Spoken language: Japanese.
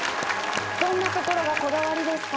どんなところがこだわりですか？